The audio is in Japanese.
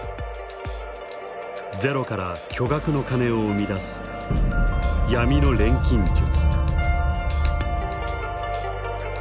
ゼロから巨額の金を生み出す闇の錬金術。